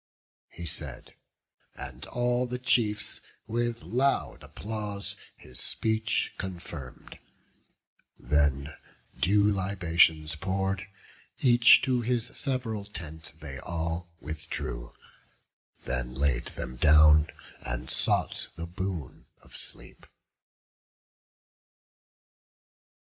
He said; and all the chiefs with loud applause His speech confirm'd; then, due libations pour'd, Each to his sev'ral tent they all withdrew; Then laid them down, and sought the boon of sleep.